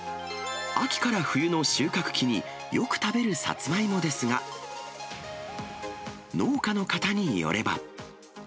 秋から冬の収穫期に、よく食べるサツマイモですが、農家の方によれば。